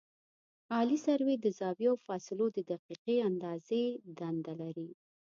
عالي سروې د زاویو او فاصلو د دقیقې اندازې دنده لري